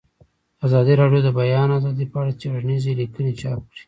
ازادي راډیو د د بیان آزادي په اړه څېړنیزې لیکنې چاپ کړي.